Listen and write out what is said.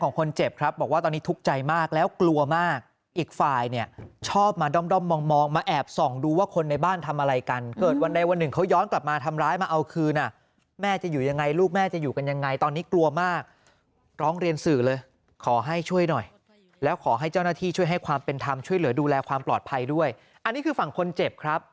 คนเจ็บครับบอกว่าตอนนี้ทุกข์ใจมากแล้วกลัวมากอีกฝ่ายเนี่ยชอบมาด้อมมองมาแอบส่องดูว่าคนในบ้านทำอะไรกันเกิดวันใดวันหนึ่งเขาย้อนกลับมาทำร้ายมาเอาคืนอ่ะแม่จะอยู่ยังไงลูกแม่จะอยู่กันยังไงตอนนี้กลัวมากร้องเรียนสื่อเลยขอให้ช่วยหน่อยแล้วขอให้เจ้าหน้าที่ช่วยให้ความเป็นธรรมช่วยเหลือดูแลความปลอดภัยด้วยอันนี้คือฝั่งคนเจ็บครับ